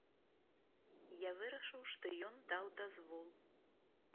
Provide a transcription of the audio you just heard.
Я вырашыў, што ён даў дазвол.